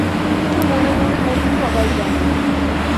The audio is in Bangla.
কিন্তু মনে মনে মতি সবই জানে।